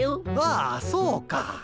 ああそうか。